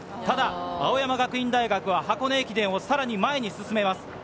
ただ、青山学院大学は箱根駅伝をさらに前に進めます。